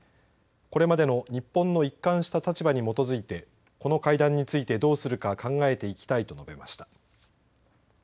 これまでの日本の一環した立場に基づいてこの会談についてどうするか考えていきたいと述べました。